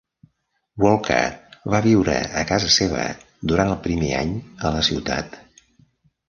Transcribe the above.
Walker va viure a casa seva durant el seu primer any a la ciutat.